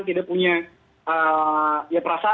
tidak punya perasaan